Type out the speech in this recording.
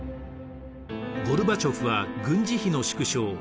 ゴルバチョフは軍事費の縮小